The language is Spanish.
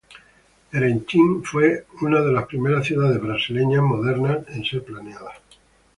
Erechim fue una de las primeras ciudades Brasileñas modernas en ser planeada.